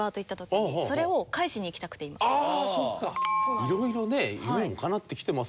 いろいろね夢もかなってきてます